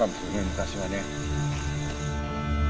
昔はね。